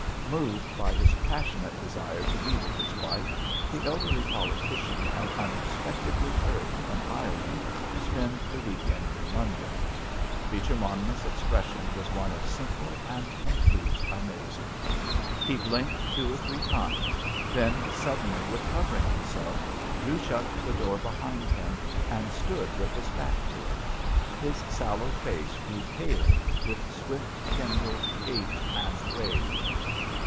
Moved by his passionate desire to be with his wife, the elderly politician had unexpectedly hurried from Ireland to spend the week end in London. Beecher Monmouth's expression was one of simple and complete amazement. He blinked two or three times; then, suddenly recovering himself, drew shut the door behind him, and stood with his back to it. His sallow face grew pale with swift kindled hate and rage.